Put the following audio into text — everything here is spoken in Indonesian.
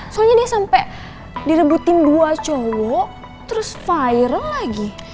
soalnya dia sampai direbutin dua cowok terus viral lagi